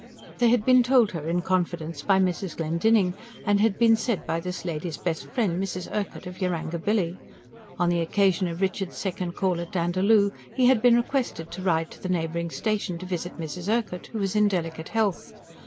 They had been told her, in confidence, by Mrs. Glendinning, and had been said by this lady's best friend, Mrs. Urquhart of Yarangobilly: on the occasion of Richard's second call at Dandaloo, he had been requested to ride to the neighbouring station to visit Mrs. Urquhart, who was in delicate health.